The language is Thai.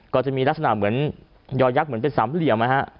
ก็จะมีลักษณะเหมือนยอยักษ์เหมือนเป็นสามเหลี่ยม